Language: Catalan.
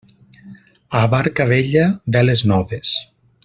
A barca vella, veles noves.